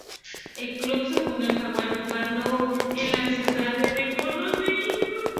El club se fundó en Hawaii, jugando en las ciudades de Honolulu e Hilo.